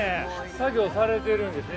作業されてるんですね。